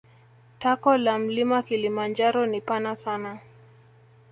Tako la mlima kilimanjaro ni pana sana